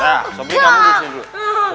nah sobri kamu duduk dulu